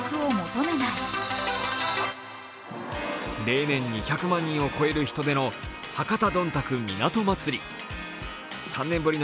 例年２００万人を超える人出の博多どんたく港まつり。